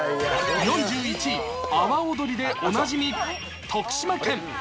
４１位、阿波おどりでおなじみ、徳島県。